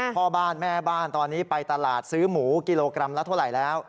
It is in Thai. พ่อบ้านแม่บ้านตอนนี้ไปตลาดซื้อหมูกิโลกรัมละเท่าไหร่แล้ว